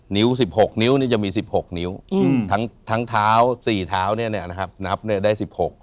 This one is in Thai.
นิ้ว๑๖นิ้วเนี่ยจะมี๑๖นิ้วทั้งเท้า๔เท้าเนี่ยนะครับนับเนี่ยได้๑๖